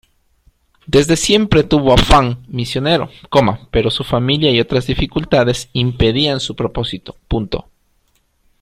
Desde siempre tuvo afán misionero, pero su familia y otras dificultades impedían su propósito.